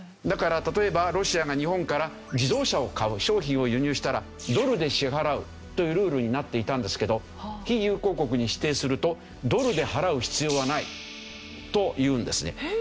だから例えばロシアが日本から自動車を買う商品を輸入したらドルで支払うというルールになっていたんですけど非友好国に指定するとドルで払う必要はないというんですね。